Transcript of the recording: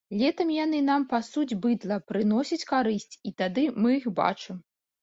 Летам яны нам пасуць быдла, прыносяць карысць, і тады мы іх бачым.